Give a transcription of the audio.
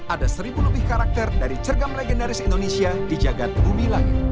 ada seribu lebih karakter dari cergam legendaris indonesia di jagad bumi langit